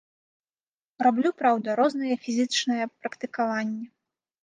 Раблю, праўда, розныя фізічныя практыкаванні.